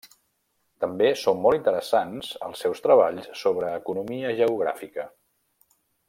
També són molt interessants els seus treballs sobre economia geogràfica.